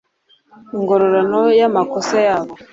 ingororano y amakosa yabo